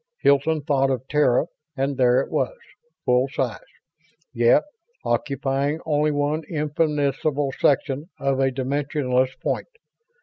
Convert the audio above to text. Hilton thought of Terra and there it was; full size, yet occupying only one infinitesimal section of a dimensionless point.